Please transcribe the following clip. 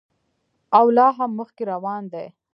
او لا هم مخکې روان دی.